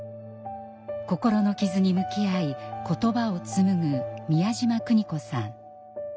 心の傷に向き合い言葉を紡ぐ美谷島邦子さん。